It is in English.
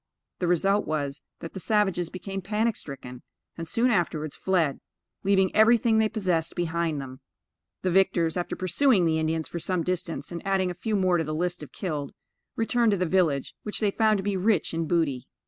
The result was, that the savages became panic stricken, and soon afterwards fled, leaving everything they possessed behind them. The victors, after pursuing the Indians for some distance, and adding a few more to the list of killed, returned to the village, which they found to be rich in booty.